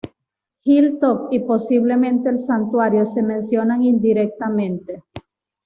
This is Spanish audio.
Hilltop y posiblemente El Santuario se mencionan indirectamente.